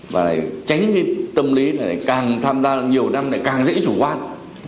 và tránh cái tâm lý này càng tham gia nhiều năm lại càng dễ chủ quan